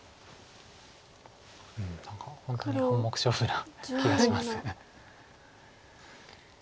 何か本当に半目勝負な気がします。